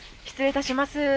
失礼いたします。